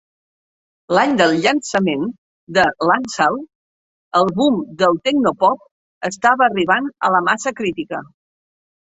L'any del llançament de "Landsale", el boom del tecnopop estava arribant a la massa crítica.